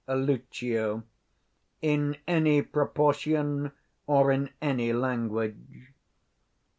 Lucio. In any proportion or in any language.